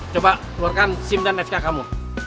coba keluarkan sim dan sk kamu